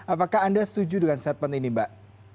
apakah anda setuju dengan statement ini mbak